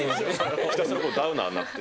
ひたすらダウナーになって。